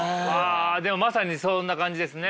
でもまさにそんな感じですね。